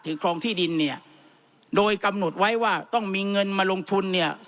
ครองที่ดินเนี่ยโดยกำหนดไว้ว่าต้องมีเงินมาลงทุนเนี่ย